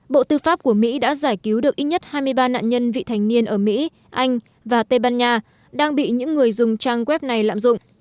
bộ tư pháp của mỹ đã giải cứu được ít nhất hai mươi ba nạn nhân vị thành niên ở mỹ anh và tây ban nha đang bị những người dùng trang web này lạm dụng